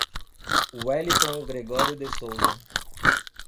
Welliton Gregorio de Souza